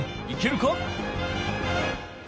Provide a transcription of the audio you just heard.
いけるか？